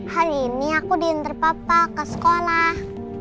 hari ini aku dihantar papa ke sekolah